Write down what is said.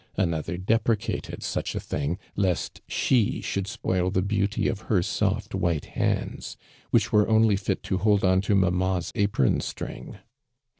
Another deprecated such a thing lest slie should spoil the beauty of h(>r .soft white hands, which were only tit to " hold on to mannna's apron string."